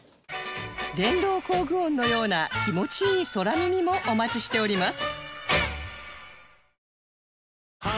電動工具音のような気持ちいい空耳もお待ちしております